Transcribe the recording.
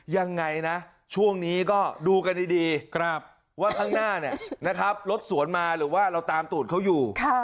ยังไงนะช่วงนี้ก็ดูกันดีว่าข้างหน้ารถสวนมาหรือว่าเราตามตูดเขาอยู่